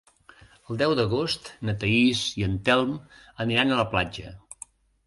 El deu d'agost na Thaís i en Telm aniran a la platja.